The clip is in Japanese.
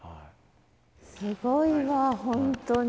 すごいわ本当に。